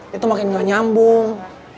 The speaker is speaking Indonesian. dia tuh makin gak nyambung